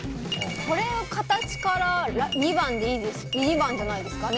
これは形から２番じゃないですかね。